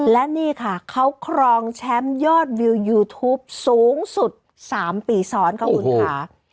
และนี่ค่ะเขาครองแชมป์ยอดวิวยูทูปสูงสุด๓ปีซ้อนค่ะคุณค่ะ